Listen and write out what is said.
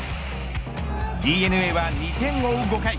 ＤｅＮＡは２点を５回。